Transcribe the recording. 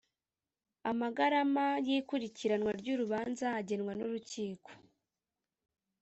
amagarama y’ikurikiranwa ry’urubanza agenwa n’urukiko